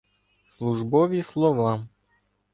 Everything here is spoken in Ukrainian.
Службові слова